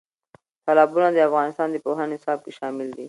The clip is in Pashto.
تالابونه د افغانستان د پوهنې نصاب کې شامل دي.